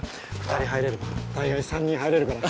２人入れれば大概３人入れるから。